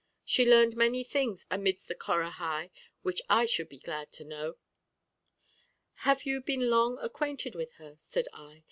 She learned many things amidst the Corahai which I should be glad to know." "Have you been long acquainted with her?" said I.